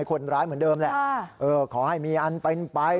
คนร้ายเหมือนเดิมแหละขอให้มีอันเป็นไป